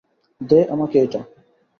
দে আমাকে এটা।